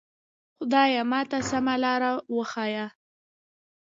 خدایه ماته سمه لاره وښیه.